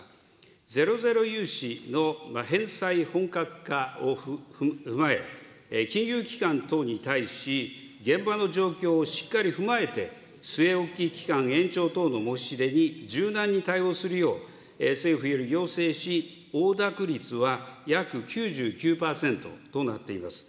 ゼロゼロ融資の返済本格化を踏まえ、金融機関等に対し、現場の状況をしっかり踏まえて、据え置き期間延長等の申し出に柔軟に対応するよう、政府より要請し、応諾率は約９９％となっています。